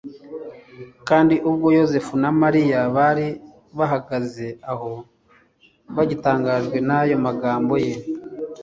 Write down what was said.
kandi ubwo Yosefu na Mariya bari bahagaze aho, bagitangajwe n'ayo magambo ye,